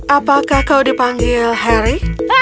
apakah kau dipanggil harry